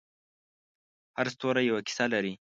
هر ستوری یوه کیسه لري.